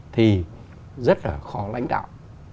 thì rất là khó lãnh đạo